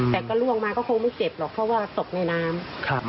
แต่ก็ล่วงมาก็คงไม่เจ็บหรอกเพราะว่าตกในน้ำ